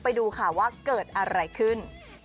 ไปดูค่ะว่าเกิดอะไรขึ้น